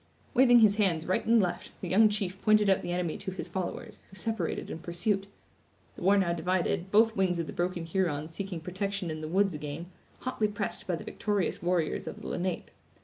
Waving his hands right and left, the young chief pointed out the enemy to his followers, who separated in pursuit. The war now divided, both wings of the broken Hurons seeking protection in the woods again, hotly pressed by the victorious warriors of the Lenape.